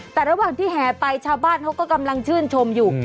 แต่ระหว่างที่แห่ไปชาวบ้านเขาก็กำลังชื่นชมอยู่